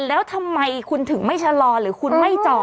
แล้วทำไมคุณถึงไม่ชะลอหรือคุณไม่จอด